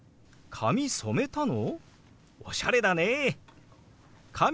「髪染めたの？